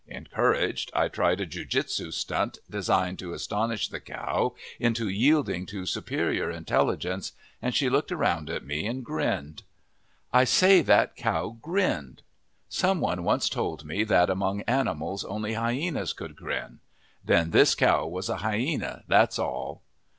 Encouraged, I tried a jiu jitsu stunt designed to astonish the cow into yielding to superior intelligence, and she looked around at me and grinned. I say that cow grinned. Some one once told me that among animals only hyenas could grin. Then this cow was a hyena, that's all.